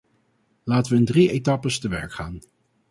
Laten we in drie etappes te werk gaan.